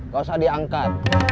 gak usah diangkat